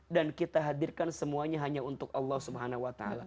dan kita hadirkan semuanya hanya untuk allah swt